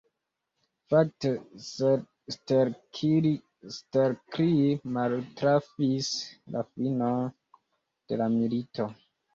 Fakte, Stelkri maltrafis la finon de la milito.